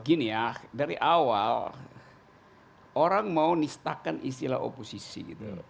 gini ya dari awal orang mau nistakan istilah oposisi gitu